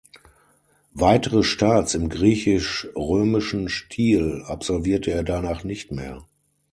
Weitere Starts im griechisch-römischen Stil absolvierte er danach nicht mehr.